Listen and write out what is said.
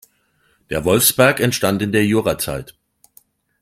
Der Wolfsberg entstand in der Jurazeit.